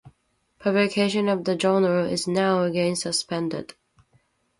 Publication of the journal is now again suspended.